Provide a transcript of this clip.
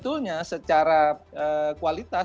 cuma memang mereka jauh lebih jauh dari taiwan